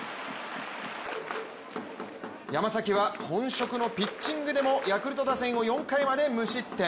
山崎は本職のピッチングでもヤクルト打線を４回まで無失点。